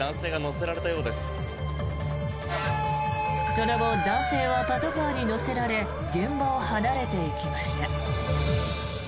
その後、男性はパトカーに乗せられ現場を離れていきました。